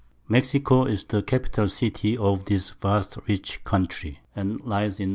Mexico is the Capital City of this vast rich Country, and lies in N.